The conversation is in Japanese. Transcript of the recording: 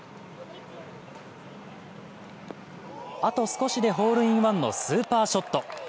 あと少しでホールインワンのスーパーショット。